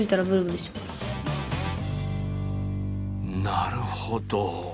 なるほど！